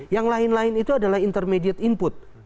yang lain lain itu adalah intermediate input